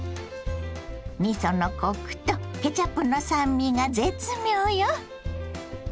みそのコクとケチャップの酸味が絶妙よ。